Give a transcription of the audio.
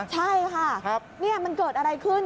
ใช่ค่ะนี่มันเกิดอะไรขึ้น